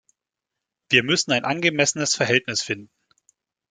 Wir müssen ein angemessenes Verhältnis finden.